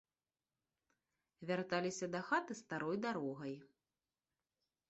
Вярталіся дахаты старой дарогай.